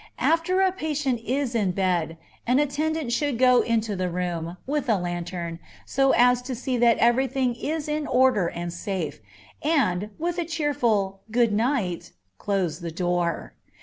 After a patient is in bed, an attendant should go into the room, with a lantern, so as to see that every thing is in order and safe, and, with a cheerful "good night" close the door.